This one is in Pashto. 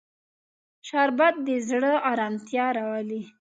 شربت د زړه ارامتیا راولي